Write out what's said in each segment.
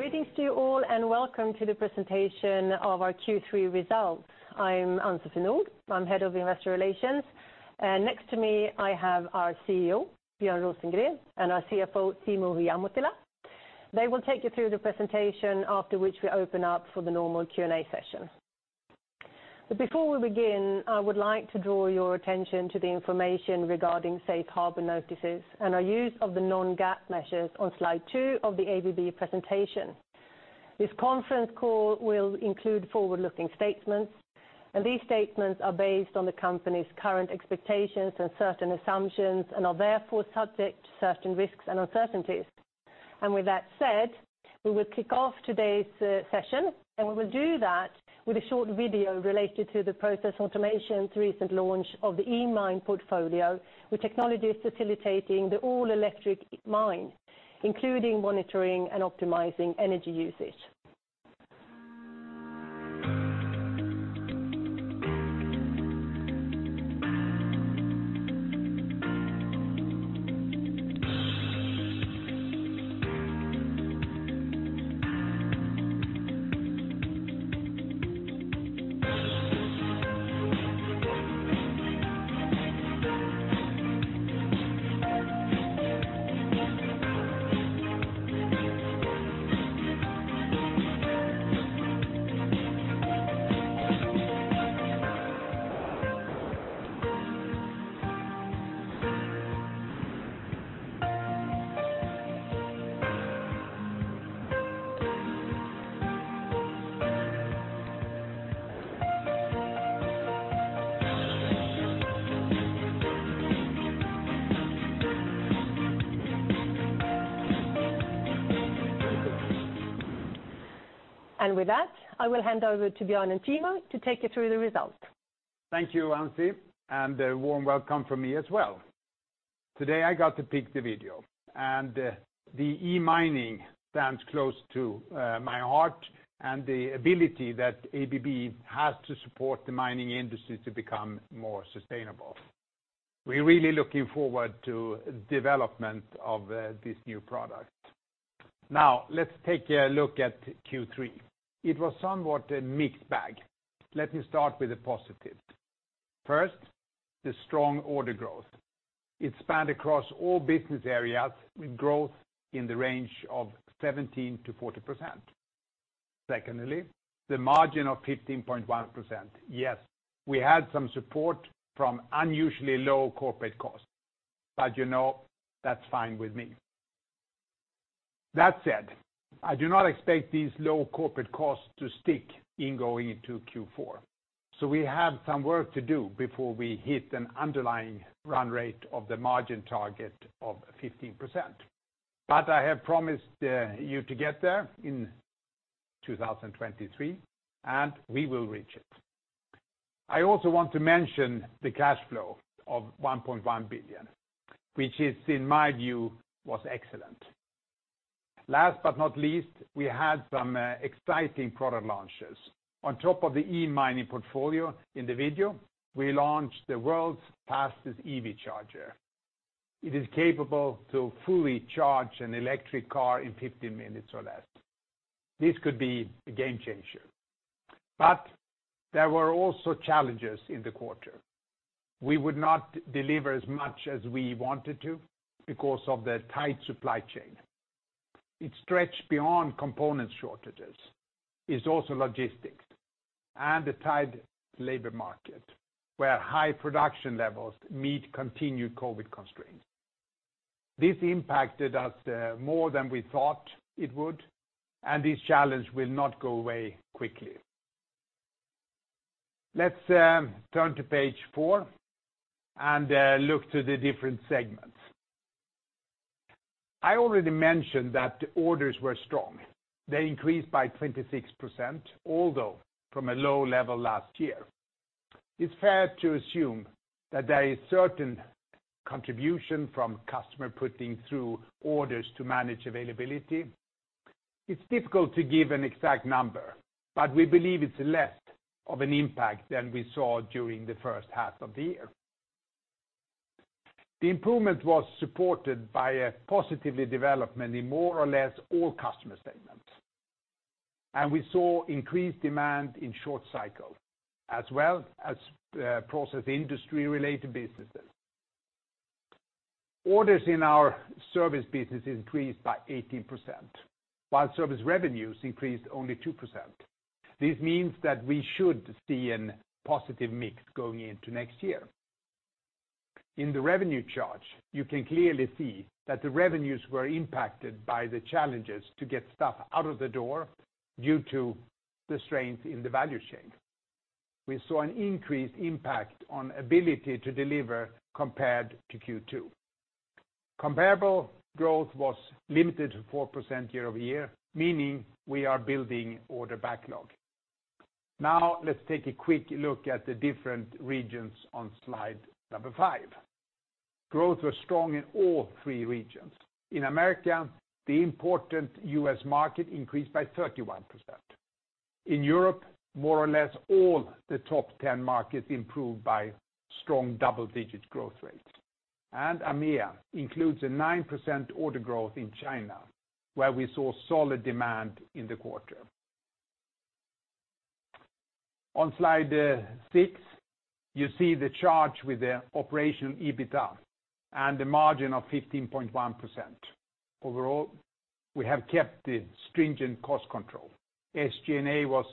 Greetings to you all, and welcome to the presentation of our Q3 results. I'm Ann-Sofie Nordh. I'm Head of Investor Relations. Next to me, I have our CEO, Björn Rosengren, and our CFO, Timo Ihamuotila. They will take you through the presentation, after which we open up for the normal Q&A session. Before we begin, I would like to draw your attention to the information regarding safe harbor notices and our use of the non-GAAP measures on slide two of the ABB presentation. This conference call will include forward-looking statements. These statements are based on the company's current expectations and certain assumptions and are therefore subject to certain risks and uncertainties. With that said, we will kick off today's session, and we will do that with a short video related to the Process Automation's recent launch of the eMine portfolio with technologies facilitating the all-electric mine, including monitoring and optimizing energy usage. With that, I will hand over to Björn and Timo to take you through the results. Thank you, Ann-Sofie, and a warm welcome from me as well. Today, I got to pick the video, the eMine stands close to my heart and the ability that ABB has to support the mining industry to become more sustainable. We're really looking forward to the development of this new product. Let's take a look at Q3. It was somewhat a mixed bag. Let me start with the positives. First, the strong order growth. It spanned across all business areas with growth in the range of 17%-40%. Secondly, the margin of 15.1%. Yes, we had some support from unusually low corporate costs, you know, that's fine with me. That said, I do not expect these low corporate costs to stick in going into Q4. We have some work to do before we hit an underlying run rate of the margin target of 15%. I have promised you to get there in 2023, and we will reach it. I also want to mention the cash flow of $1.1 billion, which in my view, was excellent. Last but not least, we had some exciting product launches. On top of the eMine portfolio in the video, we launched the world's fastest EV charger. It is capable to fully charge an electric car in 15 minutes or less. This could be a game-changer. There were also challenges in the quarter. We would not deliver as much as we wanted to because of the tight supply chain. It stretched beyond component shortages. It's also logistics and a tight labor market, where high production levels meet continued COVID constraints. This impacted us more than we thought it would, and this challenge will not go away quickly. Let's turn to page four and look to the different segments. I already mentioned that orders were strong. They increased by 26%, although from a low level last year. It's fair to assume that there is certain contribution from customer putting through orders to manage availability. It's difficult to give an exact number, but we believe it's less of an impact than we saw during the first half of the year. The improvement was supported by a positive development in more or less all customer segments. We saw increased demand in short-cycle, as well as process industry-related businesses. Orders in our service business increased by 18%, while service revenues increased only 2%. This means that we should see a positive mix going into next year. In the revenue chart, you can clearly see that the revenues were impacted by the challenges to get stuff out of the door due to the strains in the value chain. We saw an increased impact on ability to deliver compared to Q2. Comparable growth was limited to 4% year-over-year, meaning we are building order backlog. Let's take a quick look at the different regions on slide five. Growth was strong in all three regions. In America, the important U.S. market increased by 31%. In Europe, more or less all the top 10 markets improved by strong double-digit growth rates. EMEA includes a 9% order growth in China, where we saw solid demand in the quarter. On slide six, you see the chart with the operation EBITDA and the margin of 15.1%. Overall, we have kept the stringent cost control. SG&A was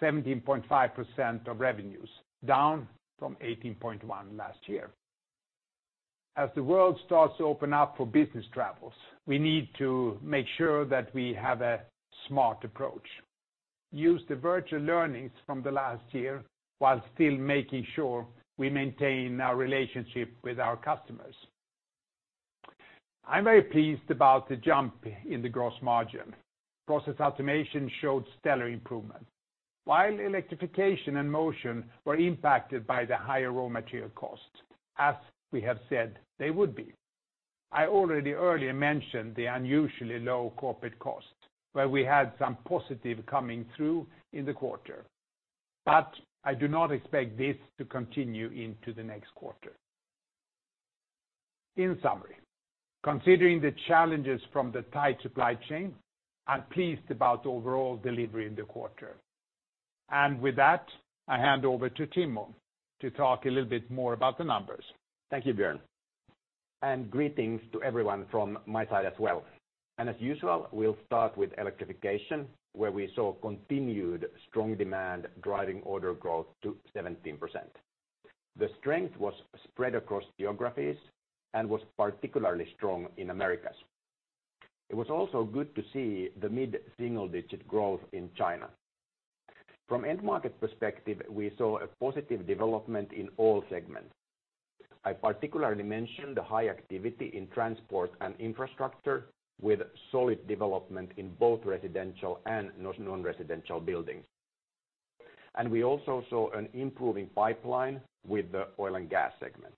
17.5% of revenues, down from 18.1% last year. As the world starts to open up for business travels, we need to make sure that we have a smart approach, use the virtual learnings from the last year while still making sure we maintain our relationship with our customers. I'm very pleased about the jump in the gross margin. Process Automation showed stellar improvement, while Electrification and Motion were impacted by the higher raw material cost, as we have said they would be. I already earlier mentioned the unusually low corporate cost, where we had some positive coming through in the quarter. I do not expect this to continue into the next quarter. In summary, considering the challenges from the tight supply chain, I'm pleased about the overall delivery in the quarter. With that, I hand over to Timo to talk a little bit more about the numbers. Thank you, Björn. Greetings to everyone from my side as well. As usual, we'll start with Electrification, where we saw continued strong demand driving order growth to 17%. The strength was spread across geographies and was particularly strong in Americas. It was also good to see the mid-single-digit growth in China. From end market perspective, we saw a positive development in all segments. I particularly mention the high activity in transport and infrastructure with solid development in both residential and non-residential buildings. We also saw an improving pipeline with the oil and gas segment.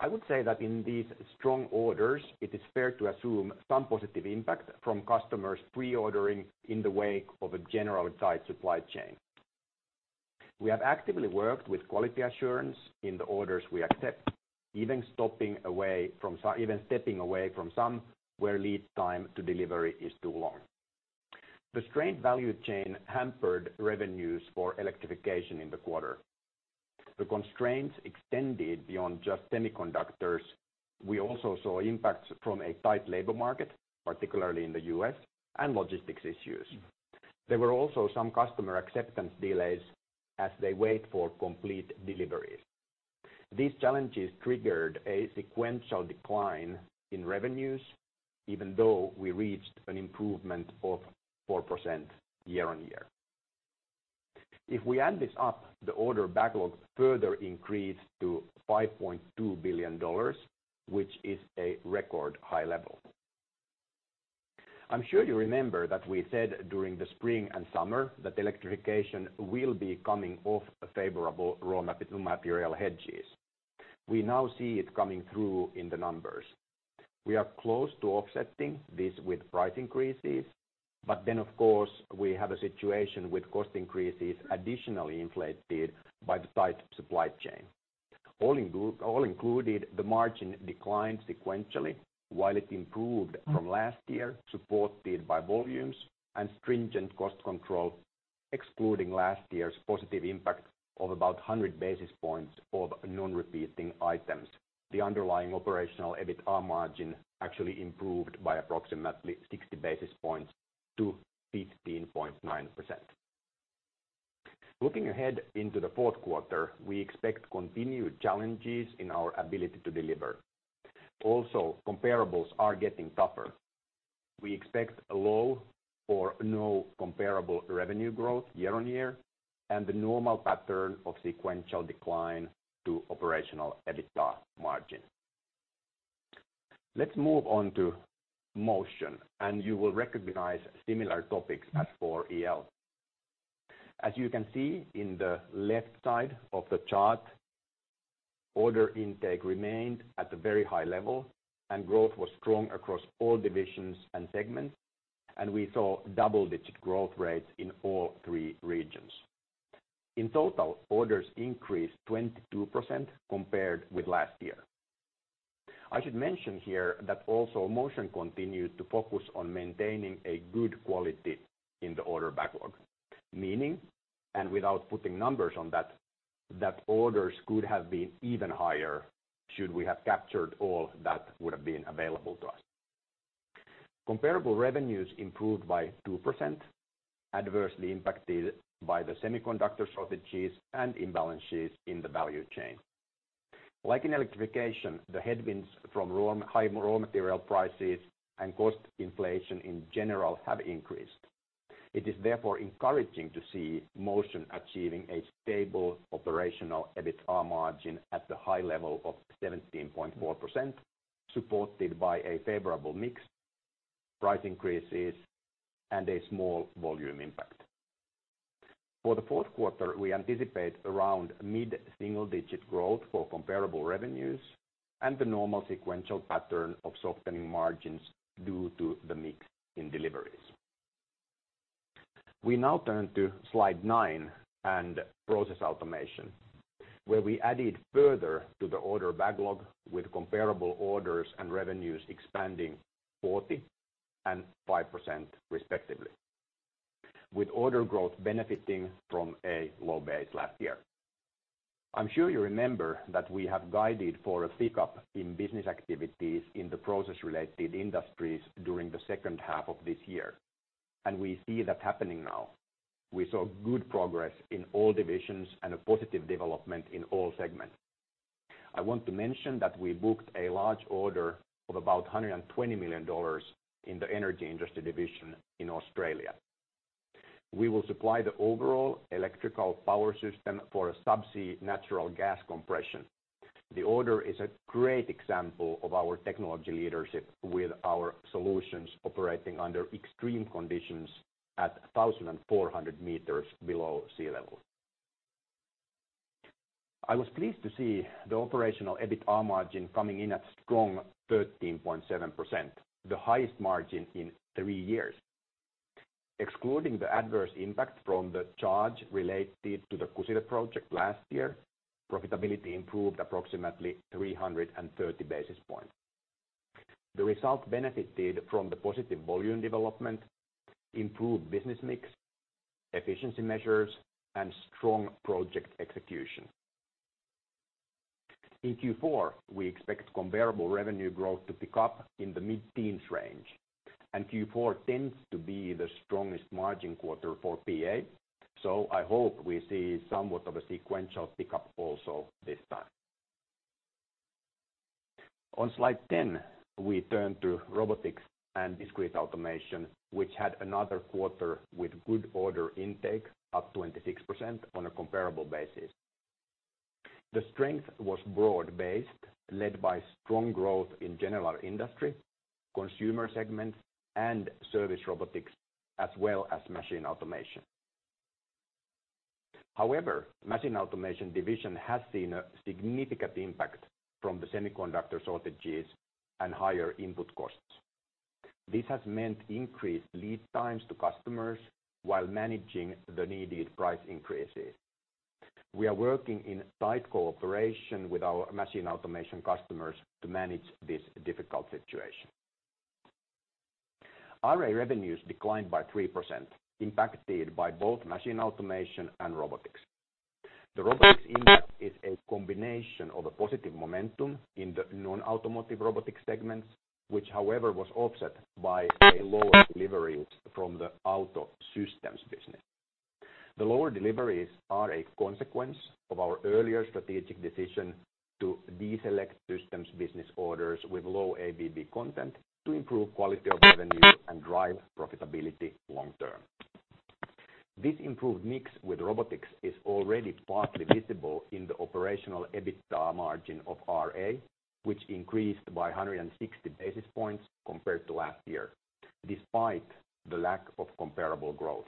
I would say that in these strong orders, it is fair to assume some positive impact from customers pre-ordering in the wake of a general tight supply chain. We have actively worked with quality assurance in the orders we accept, even stepping away from some where lead time to delivery is too long. The strained value chain hampered revenues for Electrification in the quarter. The constraints extended beyond just semiconductors. We also saw impacts from a tight labor market, particularly in the U.S., and logistics issues. There were also some customer acceptance delays as they wait for complete deliveries. These challenges triggered a sequential decline in revenues, even though we reached an improvement of 4% year-on-year. If we add this up, the order backlog further increased to $5.2 billion, which is a record high level. I'm sure you remember that we said during the spring and summer that Electrification will be coming off favorable raw material hedges. We now see it coming through in the numbers. We are close to offsetting this with price increases. Of course, we have a situation with cost increases additionally inflated by the tight supply chain. All included, the margin declined sequentially, while it improved from last year, supported by volumes and stringent cost control, excluding last year's positive impact of about 100 basis points of non-repeating items. The underlying operational EBITA margin actually improved by approximately 60 basis points to 15.9%. Looking ahead into the fourth quarter, we expect continued challenges in our ability to deliver. Also, comparables are getting tougher. We expect low or no comparable revenue growth year-over-year, and the normal pattern of sequential decline to operational EBITA margin. Let's move on to Motion, and you will recognize similar topics as for EL. As you can see in the left side of the chart, order intake remained at a very high level, and growth was strong across all divisions and segments, and we saw double-digit growth rates in all three regions. In total, orders increased 22% compared with last year. I should mention here that also Motion continued to focus on maintaining a good quality in the order backlog. Meaning, and without putting numbers on that orders could have been even higher should we have captured all that would have been available to us. Comparable revenues improved by 2%, adversely impacted by the semiconductor shortages and imbalances in the value chain. Like in Electrification, the headwinds from high raw material prices and cost inflation in general have increased. It is therefore encouraging to see Motion achieving a stable operational EBITA margin at the high level of 17.4%, supported by a favorable mix, price increases, and a small volume impact. For the fourth quarter, we anticipate around mid-single-digit growth for comparable revenues and the normal sequential pattern of softening margins due to the mix in deliveries. We now turn to slide nine and Process Automation, where we added further to the order backlog with comparable orders and revenues expanding 40% and 5% respectively, with order growth benefiting from a low base last year. I'm sure you remember that we have guided for a pick-up in business activities in the process-related industries during the second half of this year. We see that happening now. We saw good progress in all divisions and a positive development in all segments. I want to mention that we booked a large order of about $120 million in the Energy Industries division in Australia. We will supply the overall electrical power system for subsea natural gas compression. The order is a great example of our technology leadership with our solutions operating under extreme conditions at 1,400 meters below sea level. I was pleased to see the operational EBITDA margin coming in at strong 13.7%, the highest margin in three years. Excluding the adverse impact from the charge related to the Kusile project last year, profitability improved approximately 330 basis points. The result benefited from the positive volume development, improved business mix, efficiency measures, and strong project execution. In Q4, we expect comparable revenue growth to pick up in the mid-teens range, and Q4 tends to be the strongest margin quarter for PA, so I hope we see somewhat of a sequential pick-up also this time. On slide 10, we turn to Robotics and Discrete Automation, which had another quarter with good order intake, up 26% on a comparable basis. The strength was broad-based, led by strong growth in general industry, consumer segments, and service robotics, as well as Machine Automation. However, Machine Automation division has seen a significant impact from the semiconductor shortages and higher input costs. This has meant increased lead times to customers while managing the needed price increases. We are working in tight cooperation with our Machine Automation customers to manage this difficult situation. RA revenues declined by 3%, impacted by both Machine Automation and Robotics. The Robotics impact is a combination of a positive momentum in the non-automotive robotic segments, which, however, was offset by lower deliveries from the auto systems business. The lower deliveries are a consequence of our earlier strategic decision to deselect systems business orders with low ABB content to improve quality of revenue and drive profitability long term. This improved mix with Robotics is already partly visible in the operational EBITDA margin of RA, which increased by 160 basis points compared to last year, despite the lack of comparable growth.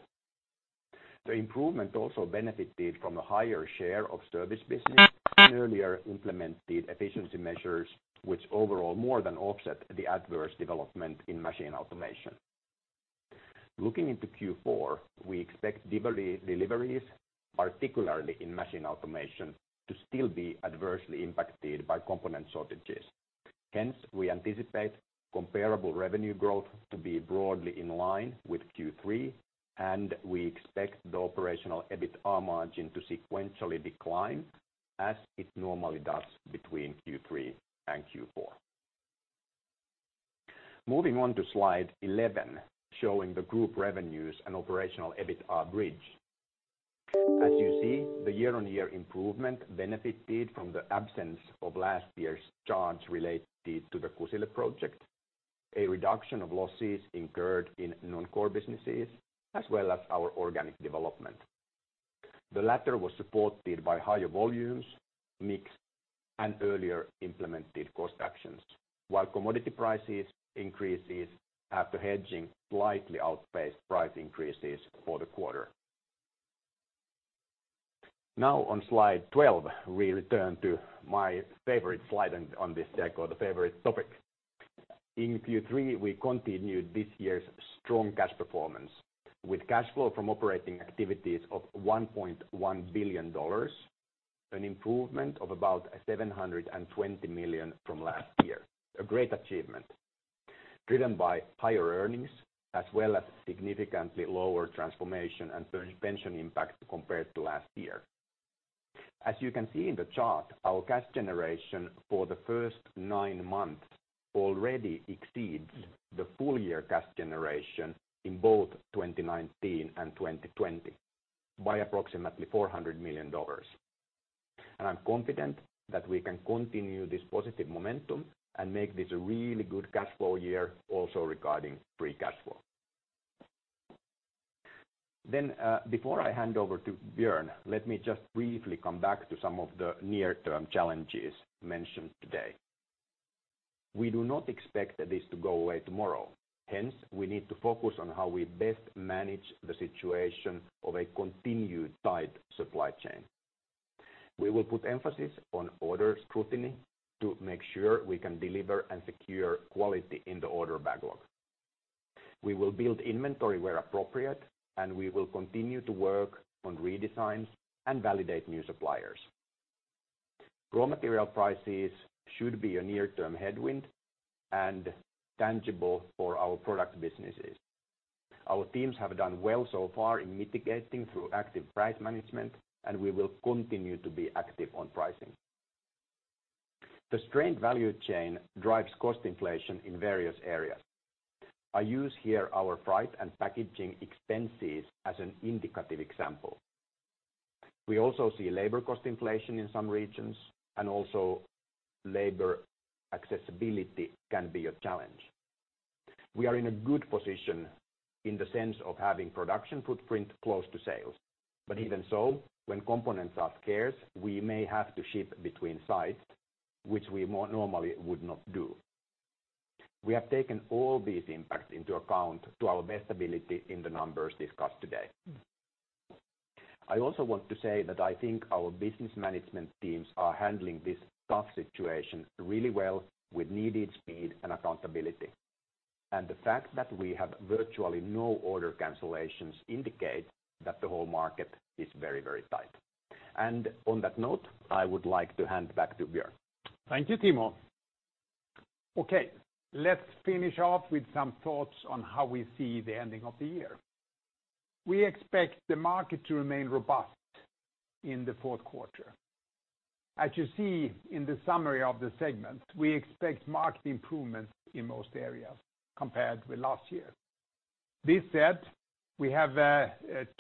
The improvement also benefited from a higher share of service business and earlier implemented efficiency measures, which overall more than offset the adverse development in Machine Automation. Looking into Q4, we expect deliveries, particularly in Machine Automation, to still be adversely impacted by component shortages. We anticipate comparable revenue growth to be broadly in line with Q3, and we expect the operational EBITDA margin to sequentially decline as it normally does between Q3 and Q4. Moving on to slide 11, showing the group revenues and operational EBITDA bridge. As you see, the year-on-year improvement benefited from the absence of last year's charge related to the Kusile project, a reduction of losses incurred in non-core businesses, as well as our organic development. The latter was supported by higher volumes, mix, and earlier implemented cost actions, while commodity prices increases after hedging slightly outpaced price increases for the quarter. Now on slide 12, we return to my favorite slide on this deck or the favorite topic. In Q3, we continued this year's strong cash performance with cash flow from operating activities of $1.1 billion, an improvement of about $720 million from last year. A great achievement driven by higher earnings as well as significantly lower transformation and pension impact compared to last year. As you can see in the chart, our cash generation for the first nine months already exceeds the full year cash generation in both 2019 and 2020 by approximately $400 million. I'm confident that we can continue this positive momentum and make this a really good cash flow year also regarding free cash flow. Before I hand over to Björn, let me just briefly come back to some of the near-term challenges mentioned today. We do not expect this to go away tomorrow. Hence, we need to focus on how we best manage the situation of a continued tight supply chain. We will put emphasis on order scrutiny to make sure we can deliver and secure quality in the order backlog. We will build inventory where appropriate, and we will continue to work on redesigns and validate new suppliers. Raw material prices should be a near-term headwind and tangible for our product businesses. Our teams have done well so far in mitigating through active price management, and we will continue to be active on pricing. The strained value chain drives cost inflation in various areas. I use here our price and packaging expenses as an indicative example. We also see labor cost inflation in some regions, and also labor accessibility can be a challenge. We are in a good position in the sense of having production footprint close to sales. Even so, when components are scarce, we may have to ship between sites, which we more normally would not do. We have taken all these impacts into account to our best ability in the numbers discussed today. I also want to say that I think our business management teams are handling this tough situation really well with needed speed and accountability. The fact that we have virtually no order cancellations indicate that the whole market is very tight. On that note, I would like to hand back to Björn. Thank you, Timo. Okay, let's finish off with some thoughts on how we see the ending of the year. We expect the market to remain robust in the fourth quarter. As you see in the summary of the segment, we expect market improvement in most areas compared with last year. This said, we have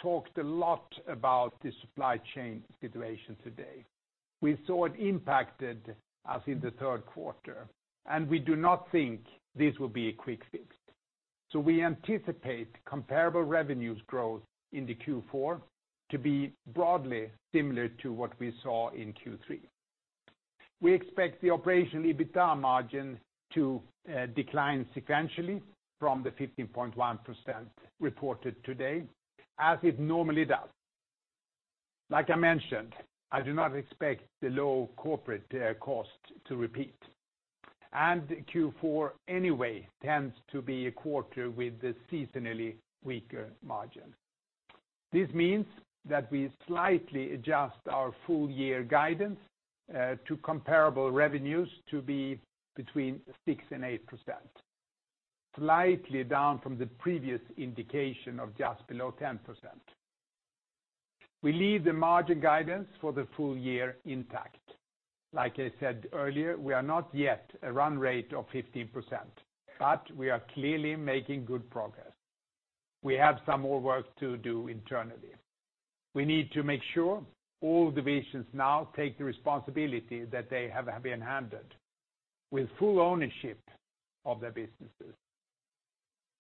talked a lot about the supply chain situation today. We saw it impacted as in the third quarter, and we do not think this will be a quick fix. We anticipate comparable revenues growth into Q4 to be broadly similar to what we saw in Q3. We expect the operational EBITDA margin to decline sequentially from the 15.1% reported today, as it normally does. Like I mentioned, I do not expect the low corporate cost to repeat. Q4 anyway tends to be a quarter with a seasonally weaker margin. This means that we slightly adjust our full-year guidance to comparable revenues to be between 6% and 8%, slightly down from the previous indication of just below 10%. We leave the margin guidance for the full year intact. Like I said earlier, we are not yet a run rate of 15%, but we are clearly making good progress. We have some more work to do internally. We need to make sure all divisions now take the responsibility that they have been handed with full ownership of their businesses.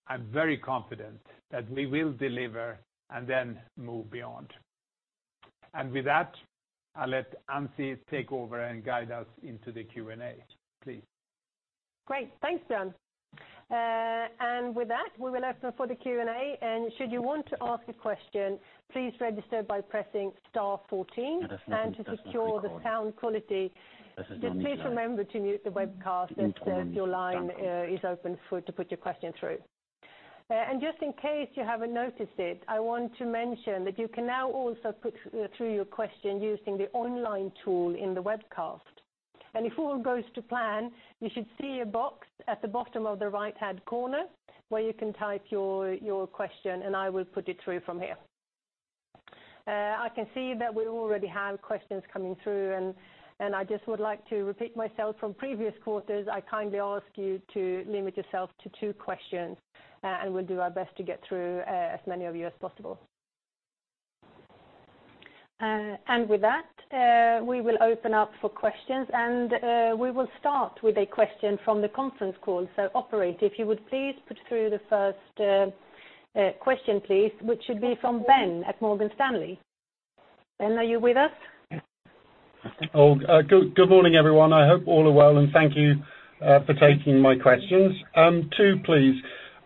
I'm very confident that we will deliver and then move beyond. With that, I'll let Ann-Sofie take over and guide us into the Q&A, please. Great. Thanks, Björn. With that, we will open for the Q&A, and should you want to ask a question, please register by pressing star 14. To secure the sound quality, just please remember to mute the webcast until your line is open to put your question through. Just in case you haven't noticed it, I want to mention that you can now also put through your question using the online tool in the webcast. If all goes to plan, you should see a box at the bottom of the right-hand corner where you can type your question, and I will put it through from here. I can see that we already have questions coming through, and I just would like to repeat myself from previous quarters. I kindly ask you to limit yourself to two questions, we'll do our best to get through as many of you as possible. With that, we will open up for questions, we will start with a question from the conference call. Operator, if you would please put through the first question, please, which should be from Ben at Morgan Stanley. Ben, are you with us? Oh, good morning, everyone. I hope all are well, and thank you for taking my questions. Two, please.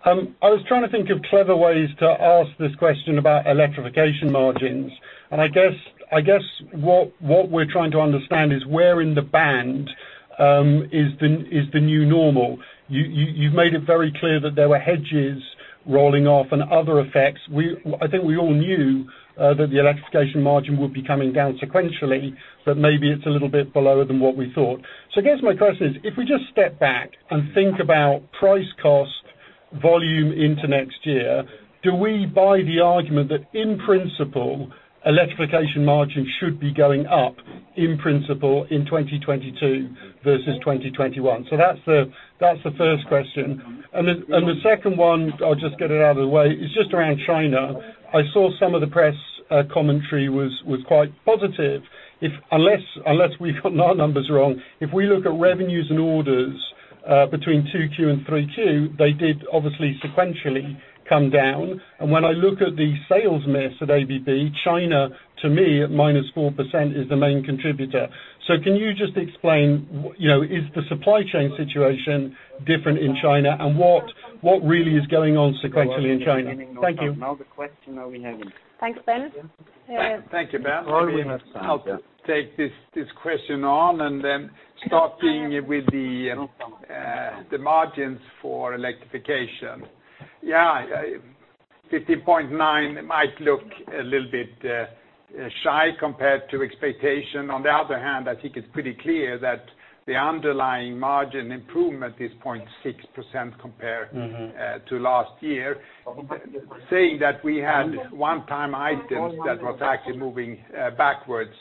I was trying to think of clever ways to ask this question about Electrification margins, and I guess what we're trying to understand is where in the band is the new normal? You've made it very clear that there were hedges rolling off and other effects. I think we all knew that the Electrification margin would be coming down sequentially, but maybe it's a little bit below than what we thought. I guess my question is: If we just step back and think about price, cost, volume into next year, do we buy the argument that in principle, Electrification margins should be going up in principle in 2022 versus 2021? That's the first question. The second one, I'll just get it out of the way, is just around China. I saw some of the press commentary was quite positive. Unless we've got our numbers wrong, if we look at revenues and orders between 2Q and 3Q, they did obviously sequentially come down, and when I look at the sales mix at ABB, China, to me, at -4% is the main contributor. Can you just explain, is the supply chain situation different in China and what really is going on sequentially in China? Thank you. No other question are we having. Thanks, Ben. Thank you, Ben. I'll take this question on, starting with the margins for Electrification. 15.9% might look a little bit shy compared to expectation. On the other hand, I think it's pretty clear that the underlying margin improvement is 0.6% compared to last year, saying that we had one-time items that was actually moving backwards,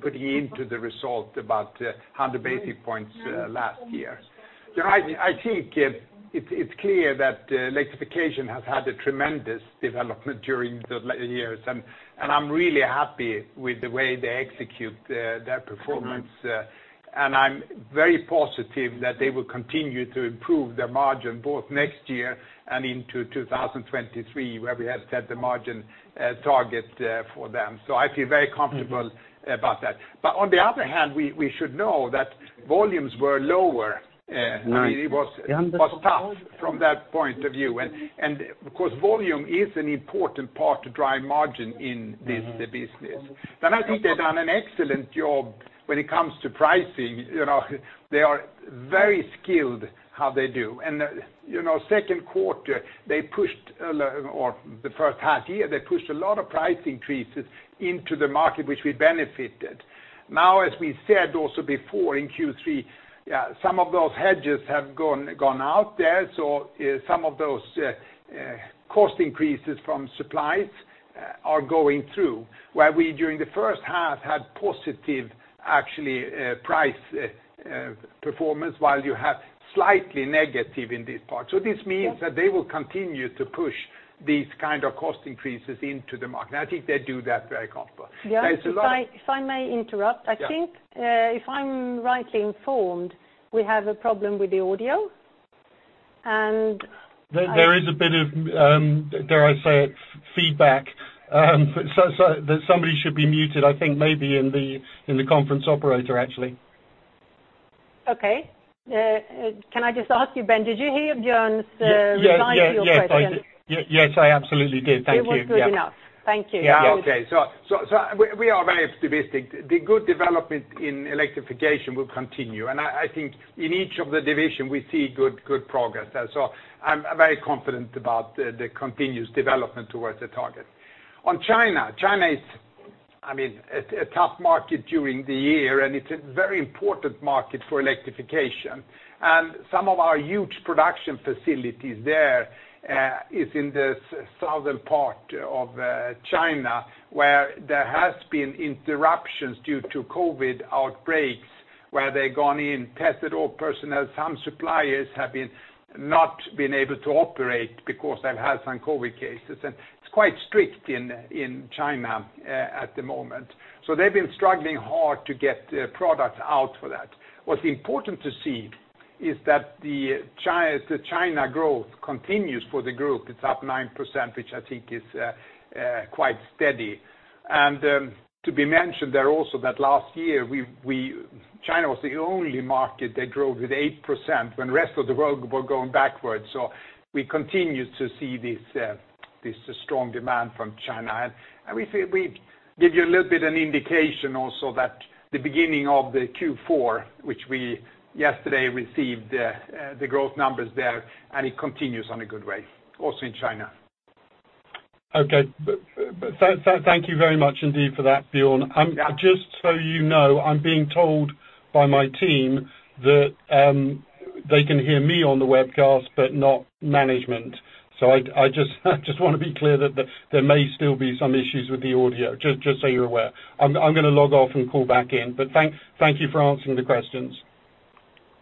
putting into the result about 100 basis points last year. I think it's clear that Electrification has had a tremendous development during the years, and I'm really happy with the way they execute their performance. I'm very positive that they will continue to improve their margin both next year and into 2023, where we have set the margin target for them. I feel very comfortable about that. On the other hand, we should know that volumes were lower. It was tough from that point of view. Of course, volume is an important part to drive margin in this business. I think they've done an excellent job when it comes to pricing. They are very skilled how they do, and second quarter, or the first half year, they pushed a lot of price increases into the market, which we benefited. As we said also before in Q3, some of those hedges have gone out there, so some of those cost increases from supplies are going through. Where we, during the first half, had positive actually price performance, while you have slightly negative in this part. This means that they will continue to push these kind of cost increases into the market, and I think they do that very comfortable. Björn, if I may interrupt. I think, if I'm rightly informed, we have a problem with the audio. There is a bit of, dare I say it, feedback. Somebody should be muted, I think maybe in the conference operator, actually. Okay. Can I just ask you, Ben, did you hear Björn's reply to your question? Yes, I absolutely did. Thank you. It was good enough. Thank you, Björn. We are very optimistic. The good development in Electrification will continue, I think in each of the division, we see good progress there. I'm very confident about the continuous development towards the target. On China is a tough market during the year, it's a very important market for Electrification. Some of our huge production facilities there is in the southern part of China, where there has been interruptions due to COVID outbreaks, where they've gone in, tested all personnel. Some suppliers have not been able to operate because they've had some COVID cases. It's quite strict in China at the moment. They've been struggling hard to get products out for that. What's important to see is that the China growth continues for the group. It's up 9%, which I think is quite steady. To be mentioned there also that last year, China was the only market that grew with 8% when rest of the world were going backwards. We continue to see this strong demand from China. We give you a little bit an indication also that the beginning of the Q4, which we yesterday received the growth numbers there, and it continues on a good way, also in China. Okay. Thank you very much indeed for that, Björn. Just so you know, I'm being told by my team that they can hear me on the webcast, but not management. I just want to be clear that there may still be some issues with the audio, just so you're aware. I'm going to log off and call back in, but thank you for answering the questions.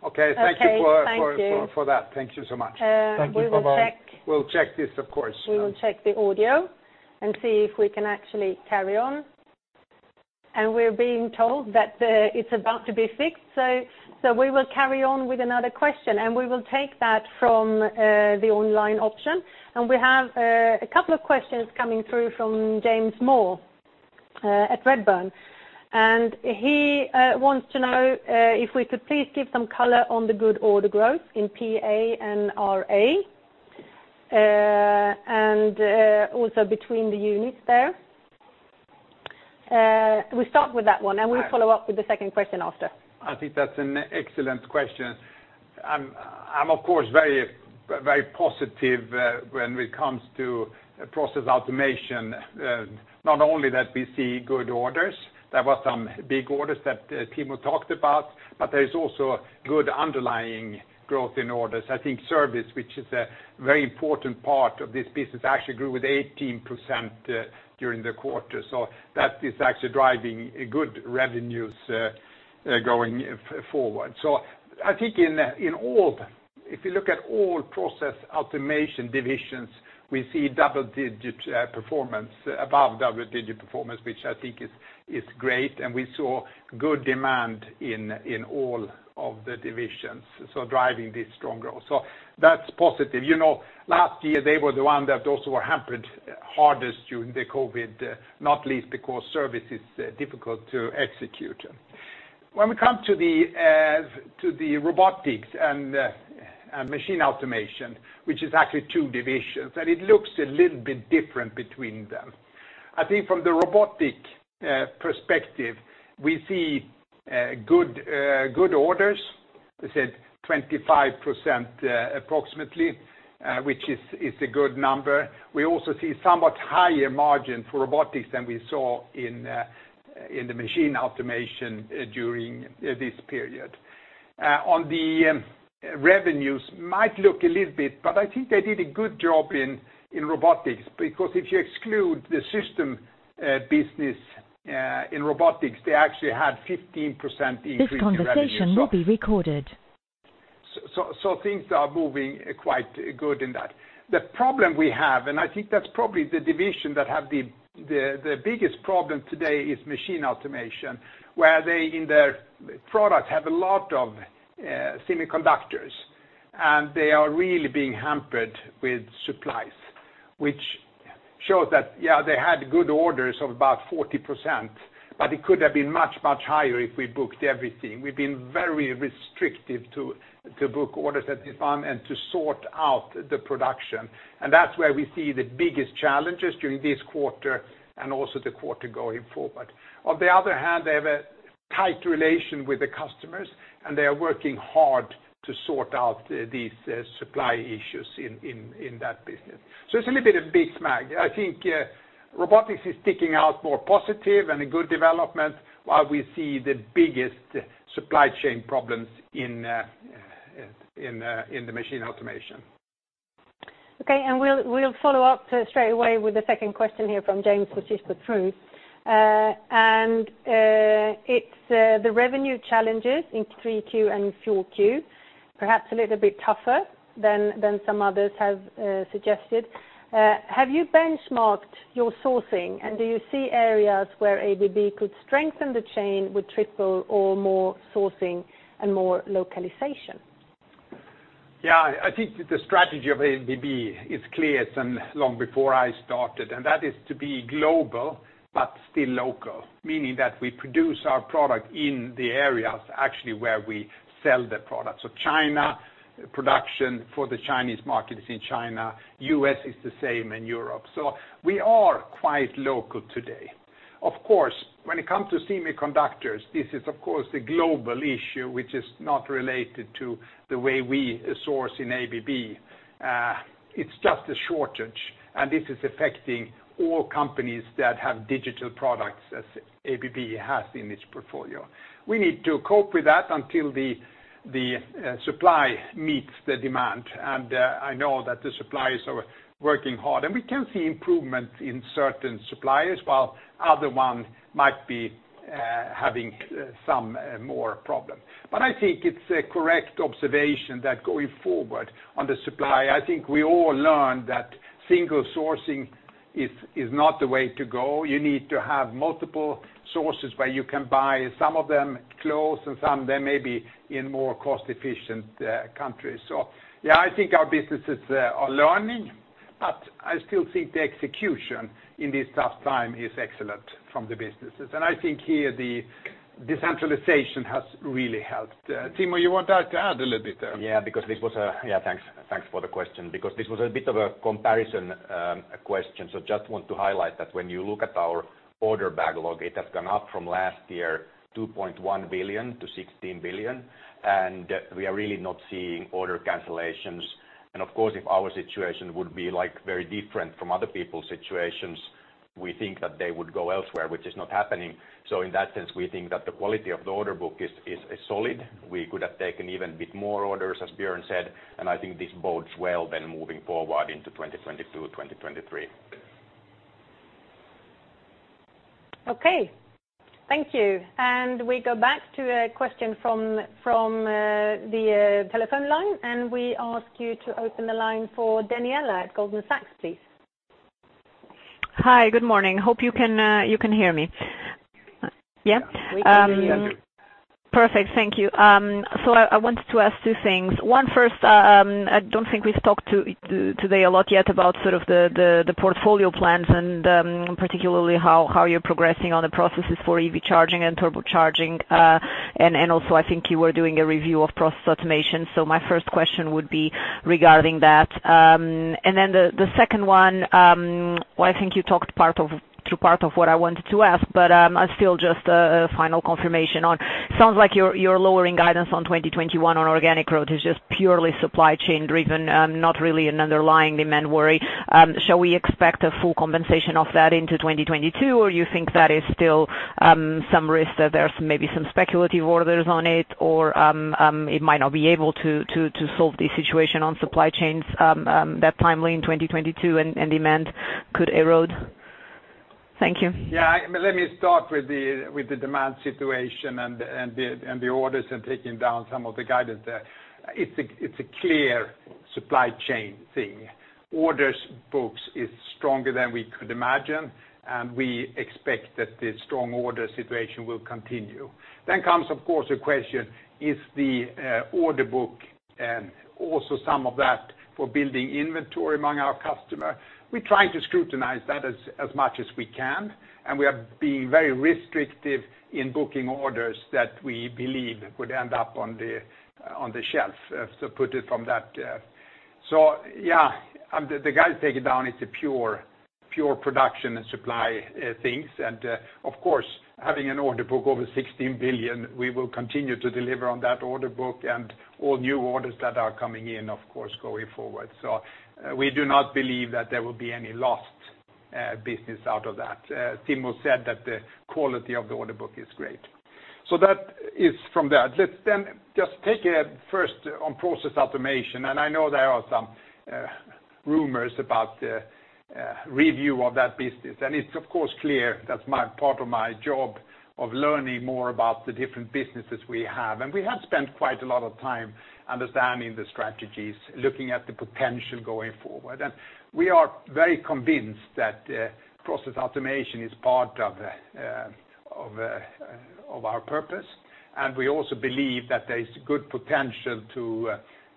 Okay. Thank you. Okay. Thank you. Thank you so much. Thank you. Bye-bye. We will check. We'll check this, of course. We will check the audio and see if we can actually carry on. We're being told that it's about to be fixed, so we will carry on with another question, and we will take that from the online option. We have two questions coming through from James Moore at Redburn. He wants to know if we could please give some color on the good order growth in PA and RA, and also between the units there. We start with that one, and we follow up with the second question after. I think that's an excellent question. I'm of course very positive when it comes to Process Automation. Not only that we see good orders, there were some big orders that Timo talked about, but there is also good underlying growth in orders. I think service, which is a very important part of this business, actually grew with 18% during the quarter. That is actually driving good revenues going forward. I think in all-If you look at all Process Automation divisions, we see above double-digit performance, which I think is great. We saw good demand in all of the divisions, so driving this strong growth. That's positive. Last year, they were the ones that also were hampered hardest during the COVID, not least because service is difficult to execute. When we come to the Robotics and Machine Automation, which is actually two divisions, it looks a little bit different between them. I think from the Robotics perspective, we see good orders, let's say 25% approximately, which is a good number. We also see somewhat higher margin for Robotics than we saw in the Machine Automation during this period. On the revenues, might look a little bit, I think they did a good job in Robotics, because if you exclude the system business in Robotics, they actually had 15% increase in revenue. Things are moving quite good in that. The problem we have, and I think that's probably the division that have the biggest problem today, is Machine Automation, where they, in their product, have a lot of semiconductors, and they are really being hampered with supplies, which shows that they had good orders of about 40%, but it could have been much, much higher if we booked everything. We've been very restrictive to book orders at this time and to sort out the production. That's where we see the biggest challenges during this quarter and also the quarter going forward. On the other hand, they have a tight relation with the customers, and they are working hard to sort out these supply issues in that business. It's a little bit of a big smack. I think Robotics is sticking out more positive and a good development, while we see the biggest supply chain problems in the Machine Automation. Okay, we'll follow up straight away with the second question here from James, which is the truth. It's the revenue challenges in Q3 and Q4, perhaps a little bit tougher than some others have suggested. Have you benchmarked your sourcing, and do you see areas where ABB could strengthen the chain with triple or more sourcing and more localization? I think the strategy of ABB is clear some long before I started, that is to be global but still local, meaning that we produce our product in the areas actually where we sell the product. China, production for the Chinese market is in China. U.S. is the same, Europe. We are quite local today. Of course, when it comes to semiconductors, this is a global issue, which is not related to the way we source in ABB. It's just a shortage, this is affecting all companies that have digital products as ABB has in its portfolio. We need to cope with that until the supply meets the demand, I know that the suppliers are working hard. We can see improvement in certain suppliers, while other ones might be having some more problems. I think it's a correct observation that going forward on the supply, I think we all learned that single sourcing is not the way to go. You need to have multiple sources where you can buy some of them close and some of them may be in more cost-efficient countries. Yeah, I think our businesses are learning, but I still think the execution in this tough time is excellent from the businesses. I think here, the decentralization has really helped. Timo, you want to add a little bit? Thanks for the question. This was a bit of a comparison question. Just want to highlight that when you look at our order backlog, it has gone up from last year, $2.1 billion to $16 billion. We are really not seeing order cancellations. Of course, if our situation would be very different from other people's situations, we think that they would go elsewhere, which is not happening. In that sense, we think that the quality of the order book is solid. We could have taken even a bit more orders, as Björn said. I think this bodes well moving forward into 2022, 2023. Okay. Thank you. We go back to a question from the telephone line, and we ask you to open the line for Daniela at Goldman Sachs, please. Hi. Good morning. Hope you can hear me. Yeah? We can hear you. Perfect. Thank you. I wanted to ask two things. One first, I don't think we've talked today a lot yet about sort of the portfolio plans and particularly how you're progressing on the processes for EV charging and Turbocharging. I think you were doing a review of Process Automation. My first question would be regarding that. The second one, well, I think you talked through part of what I wanted to ask, but still just a final confirmation on. Sounds like you're lowering guidance on 2021 on organic growth is just purely supply chain driven, not really an underlying demand worry. Shall we expect a full compensation of that into 2022, or you think that is still some risk that there is maybe some speculative orders on it, or it might not be able to solve the situation on supply chains that timely in 2022 and demand could erode? Thank you. Yeah. Let me start with the demand situation, and the orders, and taking down some of the guidance there. It's a clear supply chain thing. Orders books is stronger than we could imagine, and we expect that the strong order situation will continue. Comes, of course, the question, is the order book, and also some of that for building inventory among our customer? We're trying to scrutinize that as much as we can, and we are being very restrictive in booking orders that we believe would end up on the shelf, to put it from that. Yeah. The guidance taken down, it's a pure production and supply things. Of course, having an order book over $16 billion, we will continue to deliver on that order book and all new orders that are coming in, of course, going forward. We do not believe that there will be any lost business out of that. Timo said that the quality of the order book is great. That is from that. Let's then just take a first on Process Automation, and I know there are some rumors about the review of that business. It is of course clear that's part of my job of learning more about the different businesses we have. We have spent quite a lot of time understanding the strategies, looking at the potential going forward. We are very convinced that Process Automation is part of our purpose, and we also believe that there's good potential to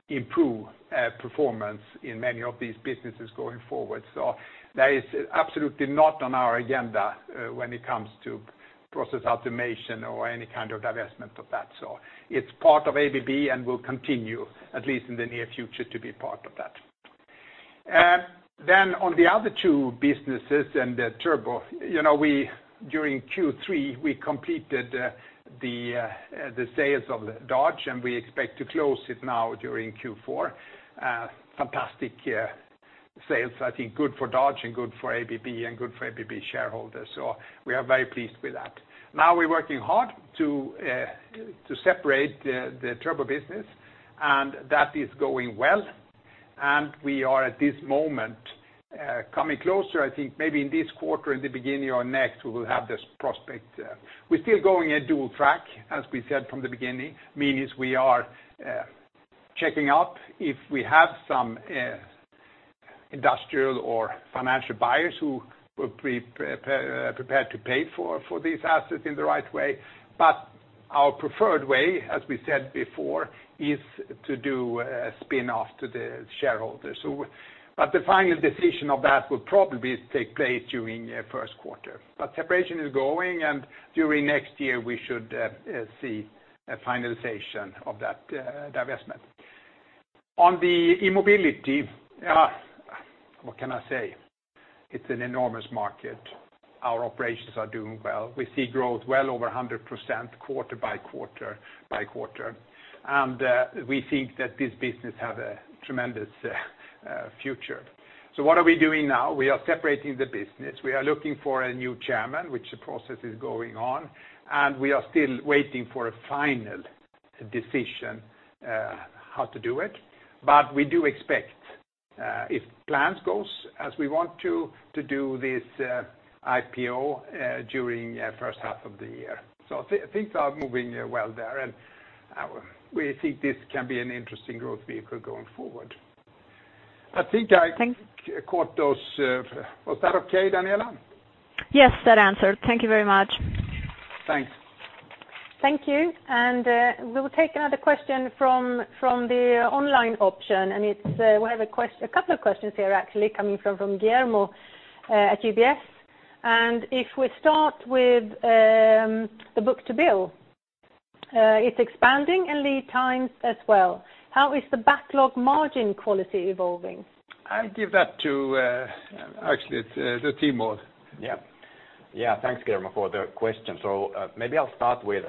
improve performance in many of these businesses going forward. That is absolutely not on our agenda when it comes to Process Automation or any kind of divestment of that. It's part of ABB and will continue, at least in the near future, to be part of that. On the other two businesses and the Turbo. During Q3, we completed the sales of Dodge, and we expect to close it now during Q4. Fantastic sales. I think good for Dodge, and good for ABB, and good for ABB shareholders. We are very pleased with that. Now we're working hard to separate the Turbo business, and that is going well, and we are, at this moment, coming closer. I think maybe in this quarter, in the beginning or next, we will have this prospect. We're still going a dual track, as we said from the beginning. Meaning we are checking up if we have some industrial or financial buyers who would be prepared to pay for these assets in the right way. Our preferred way, as we said before, is to do a spin-off to the shareholders. The final decision of that will probably take place during first quarter. Separation is going, and during next year, we should see a finalization of that divestment. On the E-mobility, what can I say? It's an enormous market. Our operations are doing well. We see growth well over 100% quarter by quarter by quarter. We think that this business have a tremendous future. What are we doing now? We are separating the business. We are looking for a new chairman, which the process is going on, and we are still waiting for a final decision how to do it. We do expect, if plans goes as we want to do this IPO during first half of the year. Things are moving well there, and we think this can be an interesting growth vehicle going forward caught those. Was that okay, Daniela? Yes, that answered. Thank you very much. Thanks. Thank you. We will take another question from the online option. We have a couple of questions here actually coming from Guillermo at UBS. If we start with the book-to-bill, it's expanding in lead times as well. How is the backlog margin quality evolving? I give that to, actually, it's to Timo. Thanks, Guillermo, for the question. Maybe I'll start with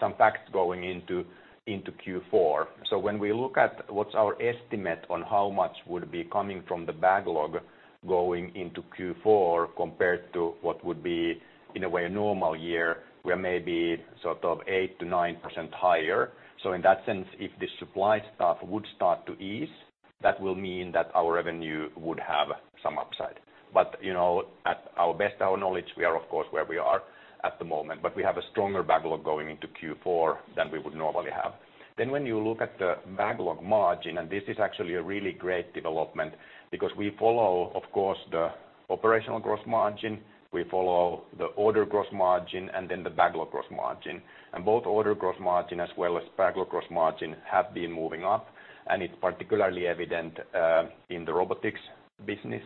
some facts going into Q4. When we look at what's our estimate on how much would be coming from the backlog going into Q4 compared to what would be, in a way, a normal year, we are maybe sort of 8%-9% higher. In that sense, if the supply stuff would start to ease, that will mean that our revenue would have some upside. At our best of our knowledge, we are, of course, where we are at the moment, but we have a stronger backlog going into Q4 than we would normally have. When you look at the backlog margin, and this is actually a really great development because we follow, of course, the operational gross margin, we follow the order gross margin, and then the backlog gross margin. Both order gross margin as well as backlog gross margin have been moving up, and it's particularly evident in the Robotics business.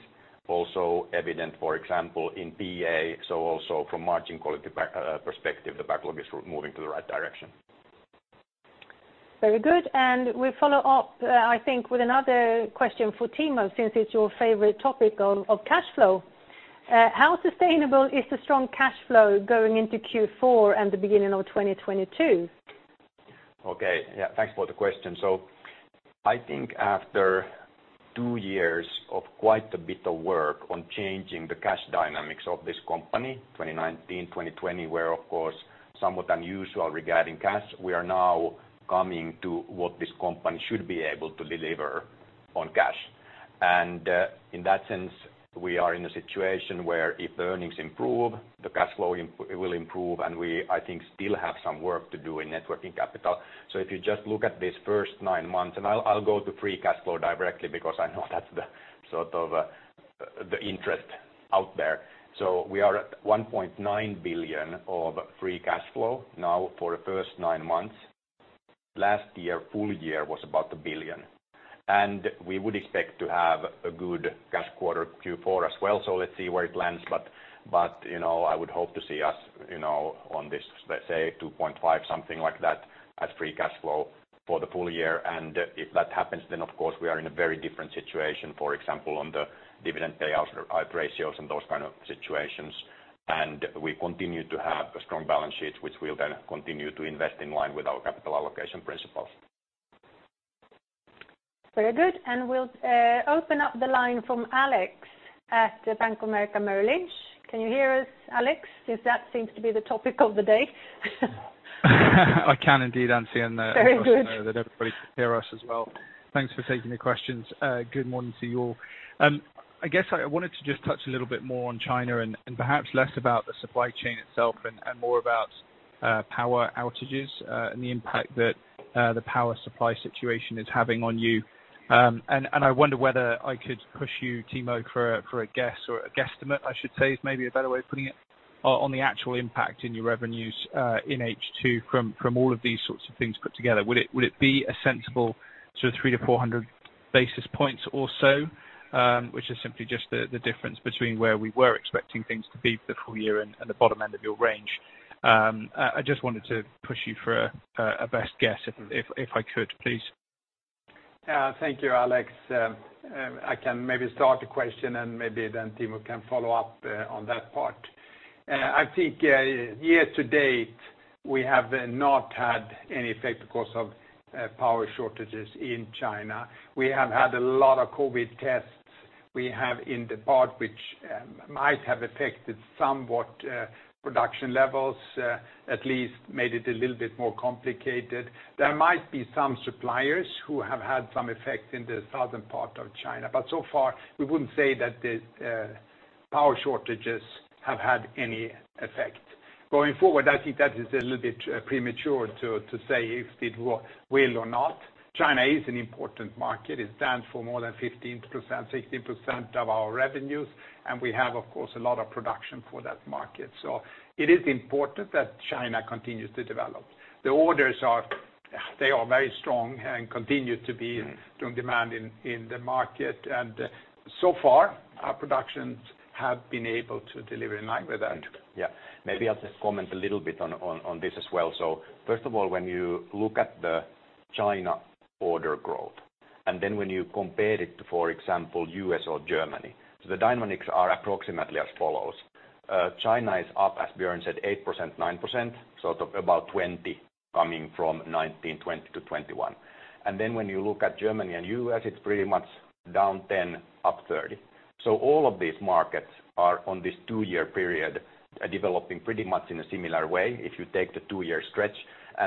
Also evident, for example, in PA. Also from margin quality perspective, the backlog is moving to the right direction. Very good. We follow up with another question for Timo, since it's your favorite topic of cash flow. How sustainable is the strong cash flow going into Q4 and the beginning of 2022? Thanks for the question. I think after two years of quite a bit of work on changing the cash dynamics of this company, 2019, 2020, were, of course, somewhat unusual regarding cash. We are now coming to what this company should be able to deliver on cash. In that sense, we are in a situation where if the earnings improve, the cash flow will improve. We, I think, still have some work to do in networking capital. If you just look at this first nine months, I'll go to free cash flow directly because I know that's the interest out there. We are at $1.9 billion of free cash flow now for the first nine months. Last year, full year was about $1 billion. We would expect to have a good cash quarter Q4 as well. Let's see where it lands. I would hope to see us on this, let's say $2.5, something like that as free cash flow for the full year. If that happens, then of course we are in a very different situation, for example, on the dividend payout ratios and those kind of situations. We continue to have a strong balance sheet, which we'll then continue to invest in line with our capital allocation principles. Very good. We'll open up the line from Alex at Bank of America Merrill Lynch. Can you hear us, Alex? Since that seems to be the topic of the day. I can indeed, Ann-Sofie. Very good. I assume that everybody can hear us as well. Thanks for taking the questions. Good morning to you all. I guess I wanted to just touch a little bit more on China and perhaps less about the supply chain itself and more about power outages, and the impact that the power supply situation is having on you. I wonder whether I could push you, Timo, for a guess or a guesstimate, I should say, is maybe a better way of putting it, on the actual impact in your revenues in H2 from all of these sorts of things put together. Would it be a sensible 300 to 400 basis points or so, which is simply just the difference between where we were expecting things to be for the full year and the bottom end of your range? I just wanted to push you for a best guess, if I could, please. Thank you, Alex. I can maybe start the question, and maybe then Timo can follow up on that part. I think year to date, we have not had any effect because of power shortages in China. We have had a lot of COVID tests. We have in the part which might have affected somewhat production levels, at least made it a little bit more complicated. There might be some suppliers who have had some effects in the southern part of China, but so far we wouldn't say that the power shortages have had any effect. Going forward, I think that is a little bit premature to say if it will or not. China is an important market. It stands for more than 15%, 16% of our revenues, and we have, of course, a lot of production for that market. It is important that China continues to develop. The orders are very strong and continue to be strong demand in the market. So far our productions have been able to deliver in line with that. Yeah. Maybe I'll just comment a little bit on this as well. First of all, when you look at the China order growth, and then when you compare it to, for example, U.S. or Germany. The dynamics are approximately as follows. China is up, as Björn said, 8%-9%, so about 20% coming from 2019-2021. When you look at Germany and U.S., it's pretty much down 10%, up 30%. All of these markets are on this two-year period, developing pretty much in a similar way if you take the two-year stretch.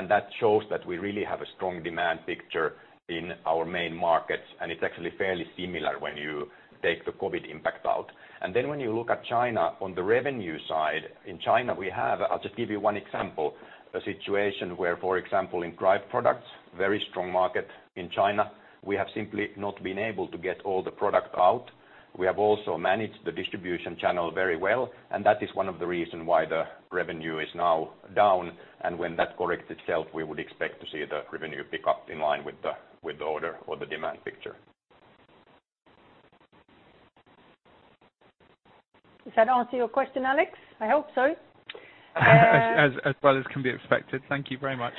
That shows that we really have a strong demand picture in our main markets. It's actually fairly similar when you take the COVID impact out. When you look at China on the revenue side, in China, we have, I'll just give you one example, a situation where, for example, in drive products, very strong market in China. We have simply not been able to get all the product out. We have also managed the distribution channel very well, and that is one of the reason why the revenue is now down. When that corrects itself, we would expect to see the revenue pick up in line with the order or the demand picture. Does that answer your question, Alex? I hope so. As well as can be expected. Thank you very much.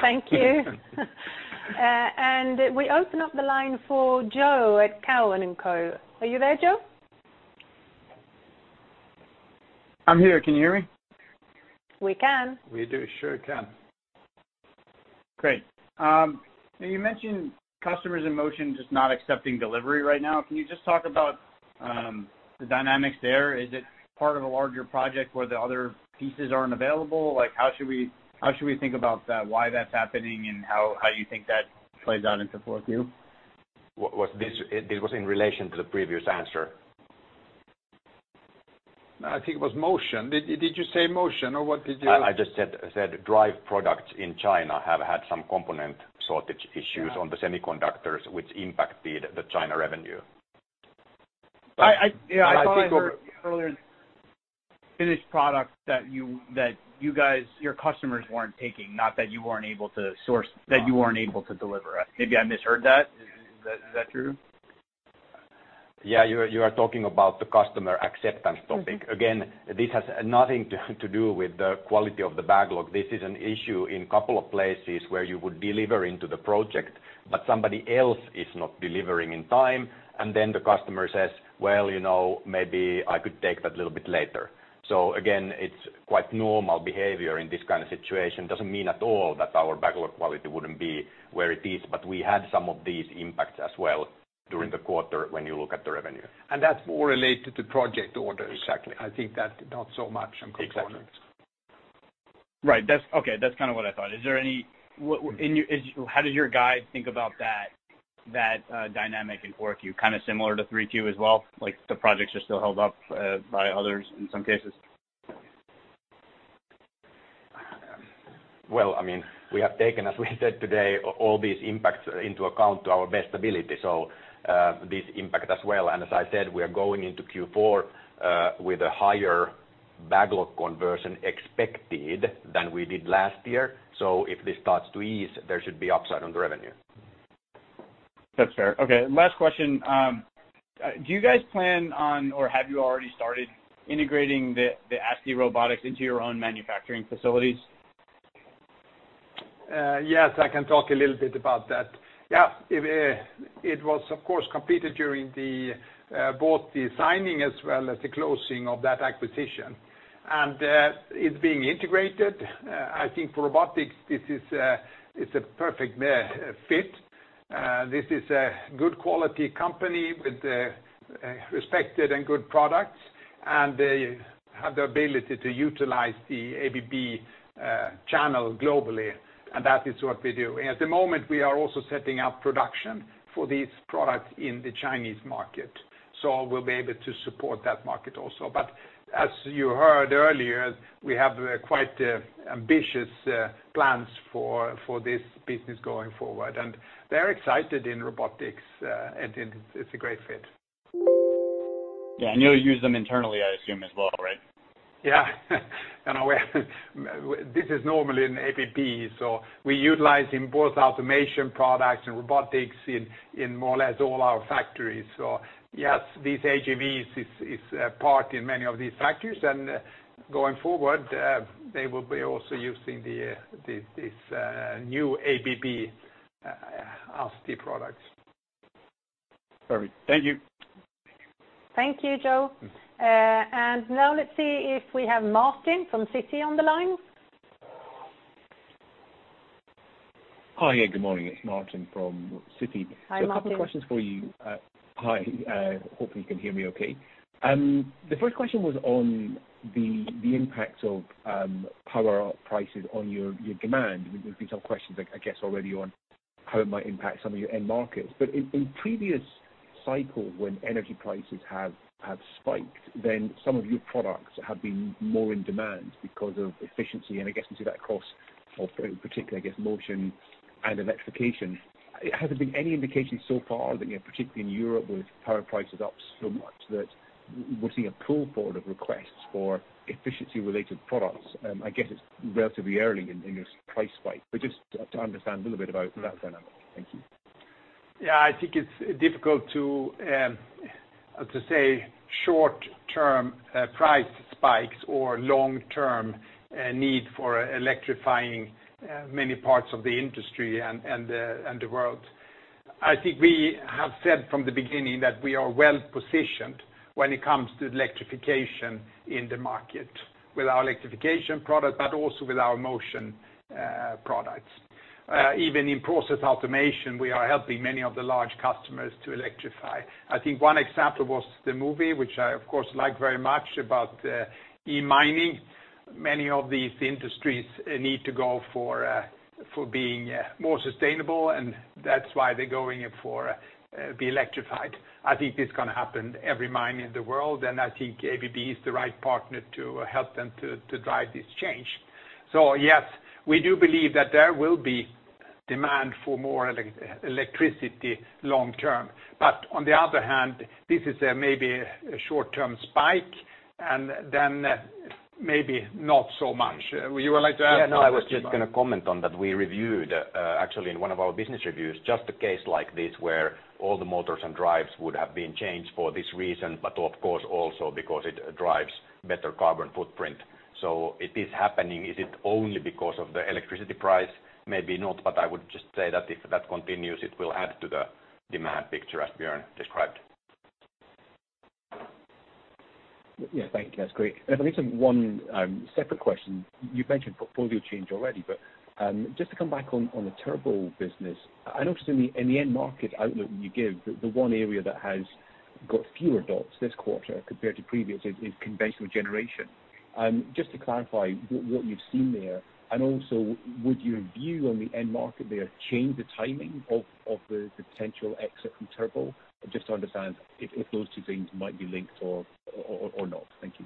Thank you. We open up the line for Joe at Cowen and Co. Are you there, Joe? I'm here. Can you hear me? We can. We do. Sure can. Great. You mentioned customers in Motion just not accepting delivery right now. Can you just talk about the dynamics there? Is it part of a larger project where the other pieces aren't available? How should we think about that, why that's happening, and how you think that plays out into fourth Q? This was in relation to the previous answer. I think it was Motion. Did you say Motion? I just said Drives products in China have had some component shortage issues on the semiconductors, which impacted the China revenue. I thought I heard earlier finished product that your customers weren't taking, not that you weren't able to deliver it. Maybe I misheard that. Is that true? Yeah, you are talking about the customer acceptance topic. This has nothing to do with the quality of the backlog. This is an issue in couple of places where you would deliver into the project, but somebody else is not delivering in time. The customer says, "Well, maybe I could take that little bit later." It's quite normal behavior in this kind of situation. Doesn't mean at all that our backlog quality wouldn't be where it is, but we had some of these impacts as well during the quarter when you look at the revenue. That's more related to project orders. I think that not so much on components. Right. Okay. That's kind of what I thought. How does your guide think about that dynamic in Q4? Kind of similar to Q3 as well? Like the projects are still held up by others in some cases? Well, we have taken, as we said today, all these impacts into account to our best ability. This impact as well. As I said, we are going into Q4 with a higher backlog conversion expected than we did last year. If this starts to ease, there should be upside on the revenue. That's fair. Okay, last question. Do you guys plan on, or have you already started integrating the ASTI Robotics into your own manufacturing facilities? Yes, I can talk a little bit about that. It was, of course, completed during both the signing as well as the closing of that acquisition. It's being integrated. I think for Robotics, this is a perfect fit. This is a good quality company with respected and good products, and they have the ability to utilize the ABB channel globally, and that is what we do. At the moment, we are also setting up production for these products in China. We'll be able to support that market also. As you heard earlier, we have quite ambitious plans for this business going forward. They're excited in Robotics, and it's a great fit. Yeah, you'll use them internally, I assume, as well, right? Yeah. This is normally in ABB, so we utilize both automation products and Robotics in more or less all our factories. Yes, these AGVs is a part in many of these factories, and going forward, they will be also using these new ABB ASTI products. Perfect. Thank you. Thank you, Joe. Now let's see if we have Martin from Citi on the line. Hi. Good morning. It's Martin from Citi. Hi, Martin. A couple questions for you. Hi, hopefully you can hear me okay. The first question was on the impact of power prices on your demand. There's been some questions, I guess, already on how it might impact some of your end markets. In previous cycles, when energy prices have spiked, then some of your products have been more in demand because of efficiency, and I guess we see that across particularly, I guess, Motion and Electrification. Has there been any indication so far that, particularly in Europe with power prices up so much, that we're seeing a pull-forward of requests for efficiency-related products? I guess it's relatively early in this price spike, but just to understand a little bit about that dynamic. Thank you. Yeah, I think it's difficult to say short-term price spikes or long-term need for electrifying many parts of the industry and the world. I think we have said from the beginning that we are well-positioned when it comes to Electrification in the market with our Electrification product, but also with our Motion products. Even in Process Automation, we are helping many of the large customers to electrify. I think one example was the movie, which I of course liked very much, about eMine. Many of these industries need to go for being more sustainable, and that's why they're going for being electrified. I think it's going to happen to every mine in the world, and I think ABB is the right partner to help them to drive this change. Yes, we do believe that there will be demand for more electricity long term. On the other hand, this is maybe a short-term spike, and then maybe not so much. You would like to add on that, Nikolai? Yeah, no, I was just going to comment on that we reviewed, actually in one of our business reviews, just a case like this where all the motors and Drives would have been changed for this reason, but of course also because it drives better carbon footprint. It is happening. Is it only because of the electricity price? Maybe not, but I would just say that if that continues, it will add to the demand picture as Björn described. Yeah, thank you. That's great. If I can take one separate question. You've mentioned portfolio change already, but just to come back on the Turbo business, I noticed in the end market outlook you give, the one area that has got fewer dots this quarter compared to previous is conventional generation. Just to clarify what you've seen there, and also would your view on the end market there change the timing of the potential exit from Turbo? Just to understand if those two things might be linked or not. Thank you.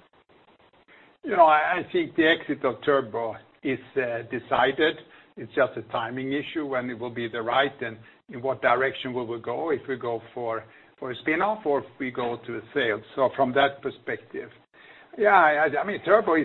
No, I think the exit of Turbo is decided. It's just a timing issue, when it will be the right, and in what direction will we go, if we go for a spin-off or if we go to a sale. From that perspective. Yeah, Turbo,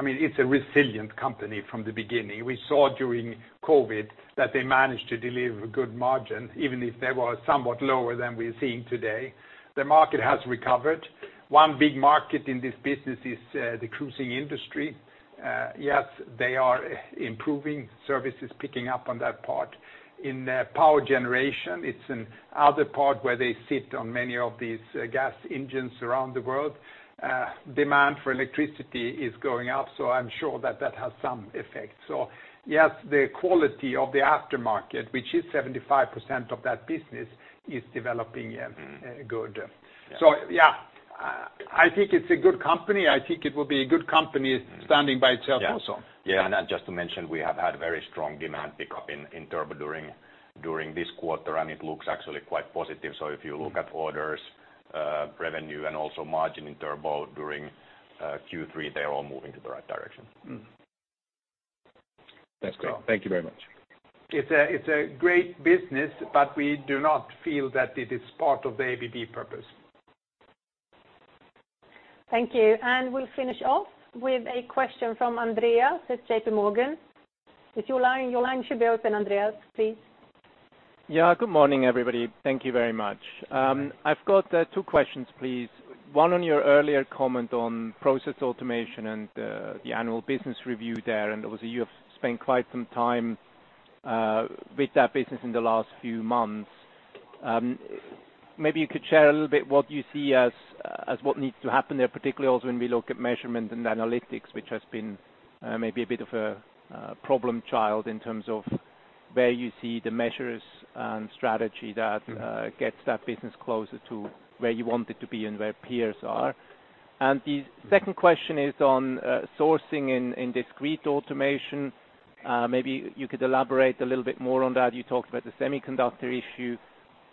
it's a resilient company from the beginning. We saw during COVID that they managed to deliver good margin, even if they were somewhat lower than we're seeing today. The market has recovered. One big market in this business is the cruising industry. Yes, they are improving, service is picking up on that part. In power generation, it's another part where they sit on many of these gas engines around the world. Demand for electricity is going up. I'm sure that that has some effect. Yes, the quality of the aftermarket, which is 75% of that business, is developing good. Yeah, I think it's a good company. I think it will be a good company standing by itself also. Yeah. Just to mention, we have had very strong demand pickup in Turbo during this quarter, and it looks actually quite positive. If you look at orders, revenue, and also margin in Turbo during Q3, they're all moving to the right direction. That's great. Thank you very much. It's a great business, but we do not feel that it is part of the ABB purpose. Thank you. We'll finish off with a question from Andreas from JPMorgan. If your line should be open, Andreas, please. Yeah. Good morning, everybody. Thank you very much. I've got two questions, please. One on your earlier comment on Process Automation and the annual business review there, and obviously you have spent quite some time with that business in the last few months. Maybe you could share a little bit what you see as what needs to happen there, particularly also when we look at Measurement & Analytics, which has been maybe a bit of a problem child in terms of where you see the measures and strategy that gets that business closer to where you want it to be and where peers are. The second question is on sourcing in Discrete Automation. Maybe you could elaborate a little bit more on that. You talked about the semiconductor issue,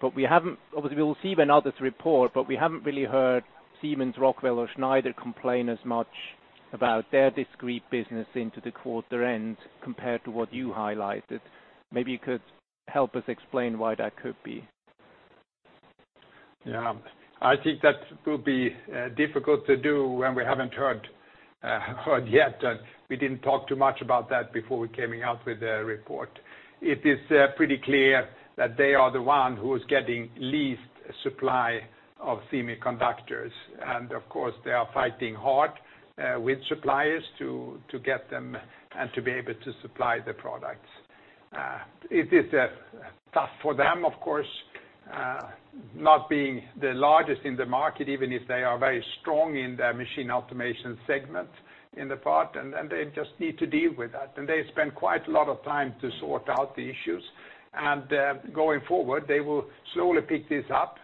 obviously we'll see when others report, but we haven't really heard Siemens, Rockwell, or Schneider complain as much about their discrete business into the quarter end compared to what you highlighted. Maybe you could help us explain why that could be. Yeah. I think that will be difficult to do when we haven't heard yet, and we didn't talk too much about that before we came out with the report. It is pretty clear that they are the one who is getting least supply of semiconductors, and of course, they are fighting hard with suppliers to get them and to be able to supply the products. It is tough for them, of course, not being the largest in the market, even if they are very strong in the Machine Automation segment in the part, they just need to deal with that. They spend quite a lot of time to sort out the issues. Going forward, they will slowly pick this up,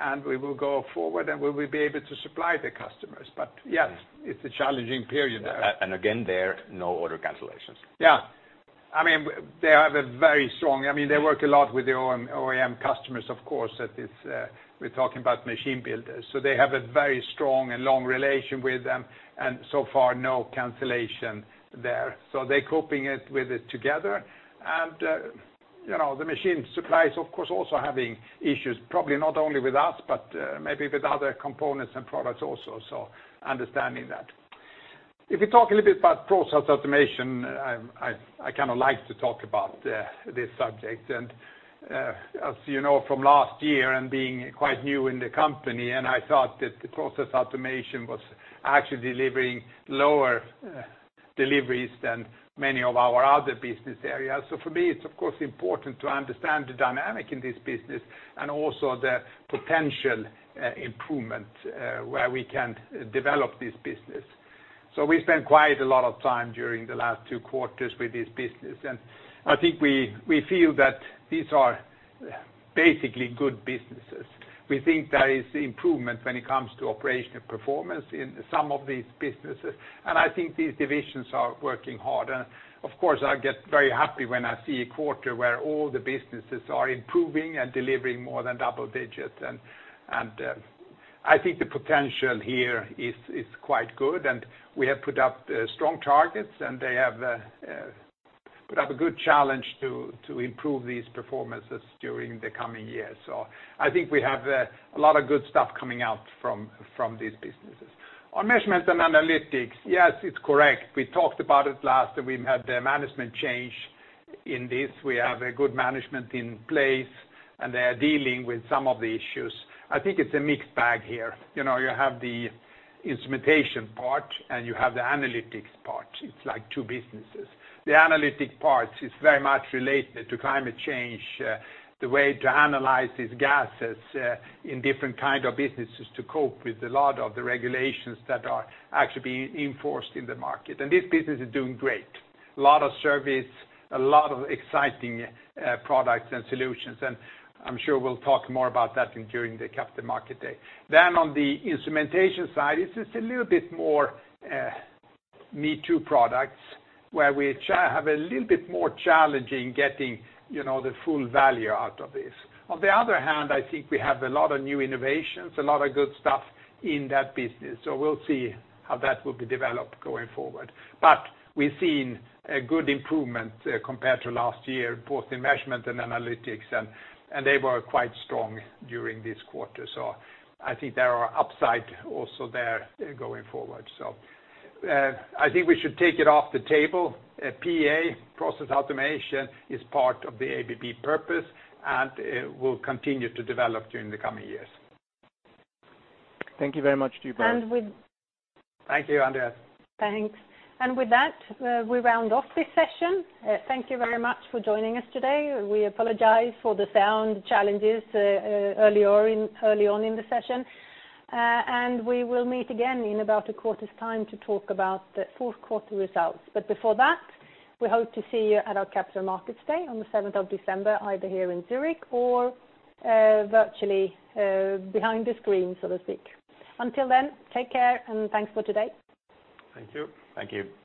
and we will go forward, and we will be able to supply the customers. Yeah, it's a challenging period there. Again, there, no order cancellations. Yeah. They work a lot with the OEM customers, of course, we're talking about machine builders. They have a very strong and long relation with them, and so far, no cancellation there. They're coping it with it together. The machine suppliers, of course, also having issues, probably not only with us, but maybe with other components and products also, so understanding that. If you talk a little bit about Process Automation, I kind of like to talk about this subject. As you know from last year and being quite new in the company, and I thought that the Process Automation was actually delivering lower deliveries than many of our other Business Areas. For me, it's of course important to understand the dynamic in this business and also the potential improvement, where we can develop this business. We spent quite a lot of time during the last two quarters with this business. I think we feel that these are basically good businesses. We think there is improvement when it comes to operational performance in some of these businesses. I think these divisions are working hard. Of course, I get very happy when I see a quarter where all the businesses are improving and delivering more than double digits. I think the potential here is quite good. We have put up strong targets. They have put up a good challenge to improve these performances during the coming year. I think we have a lot of good stuff coming out from these businesses. On Measurement & Analytics, yes, it is correct. We talked about it last, and we've had the management change in this. We have a good management in place, and they are dealing with some of the issues. I think it's a mixed bag here. You have the instrumentation part, and you have the analytics part. It's like two businesses. The analytic part is very much related to climate change, the way to analyze these gases in different kind of businesses to cope with a lot of the regulations that are actually being enforced in the market. This business is doing great. A lot of service, a lot of exciting products and solutions, and I'm sure we'll talk more about that during the Capital Markets Day. On the instrumentation side, it's just a little bit more me-too products, where we have a little bit more challenge in getting the full value out of this. I think we have a lot of new innovations, a lot of good stuff in that business. We'll see how that will be developed going forward. We've seen a good improvement compared to last year, both in Measurement & Analytics, and they were quite strong during this quarter. I think there are upside also there going forward. I think we should take it off the table. PA, Process Automation, is part of the ABB purpose and will continue to develop during the coming years. Thank you very much to you both. Thank you, Andreas. Thanks. With that, we round off this session. Thank you very much for joining us today. We apologize for the sound challenges early on in the session. We will meet again in about a quarter's time to talk about the fourth quarter results. Before that, we hope to see you at our Capital Markets Day on the 7th of December, either here in Zurich or virtually behind the screen, so to speak. Until then, take care, and thanks for today. Thank you. Thank you.